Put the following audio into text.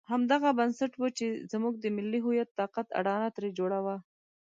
همدغه بنسټ وو چې زموږ د ملي هویت طاقت اډانه ترې جوړه وه.